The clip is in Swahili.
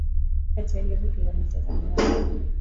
kati ya hizo Kilomita za Mraba